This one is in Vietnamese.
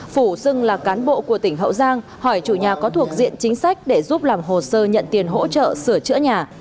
phủ xưng là cán bộ của tỉnh hậu giang hỏi chủ nhà có thuộc diện chính sách để giúp làm hồ sơ nhận tiền hỗ trợ sửa chữa nhà